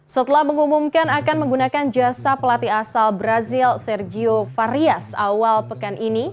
setelah mengumumkan akan menggunakan jasa pelatih asal brazil sergio varias awal pekan ini